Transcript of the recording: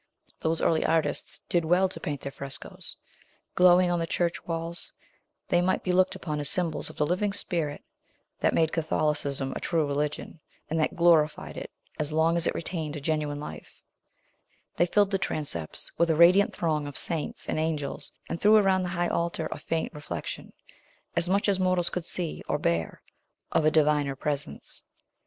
Those early artists did well to paint their frescos. Glowing on the church walls, they might be looked upon as symbols of the living spirit that made Catholicism a true religion, and that glorified it as long as it retained a genuine life; they filled the transepts with a radiant throng of saints and angels, and threw around the high altar a faint reflection as much as mortals could see, or bear of a Diviner Presence.